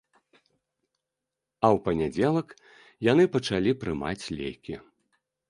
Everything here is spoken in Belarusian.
А ў панядзелак яны пачалі прымаць лекі.